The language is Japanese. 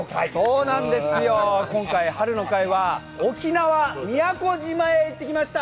そうなんですよ、今回春の会は沖縄・宮古島に行ってきました。